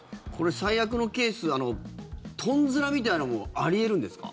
最悪のケースとんずらみたいなのもあり得るんですか？